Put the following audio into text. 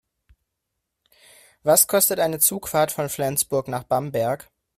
Was kostet eine Zugfahrt von Flensburg nach Bamberg?